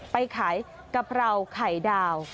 ไปขายกะเพราไข่ดาว